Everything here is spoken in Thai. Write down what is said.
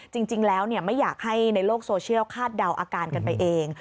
จริงแล้วไม่อยากให้ในโลกโซเชียลคาดเดาอาการกันไปเอง